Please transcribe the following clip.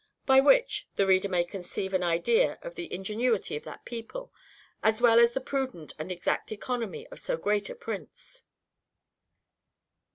By which, the reader may conceive an idea of the ingenuity of that people, as well as the prudent and exact economy of so great a prince.